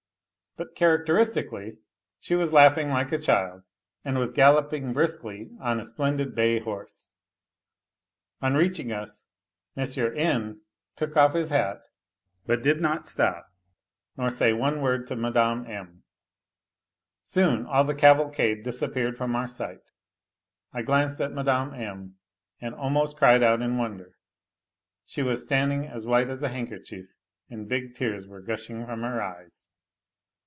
But characteristically she wai laughing like a child, and was galloping briskly on a splondk bay horse. On reaching us N. took off his hat, but did noi slop, nor say one word to Mme. M. Soon all the cav\lcad< disappeared from our sight. I glanced at Mme. M. and almosl cri' (l out in wonder ; she was standing as white as a handkerchie: and big tears were gushing from her eyes.